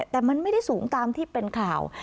แต่มันไม่ได้สูงตามที่เป็นข่าว